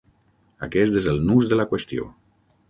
Aquest és el nus de la qüestió.